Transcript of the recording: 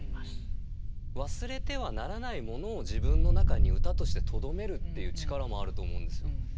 忘れてはならないものを自分の中に歌としてとどめるっていう力もあると思うんですよ。